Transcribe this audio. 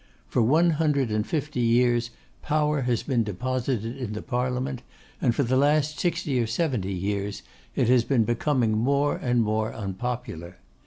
For one hundred and fifty years Power has been deposited in the Parliament, and for the last sixty or seventy years it has been becoming more and more unpopular.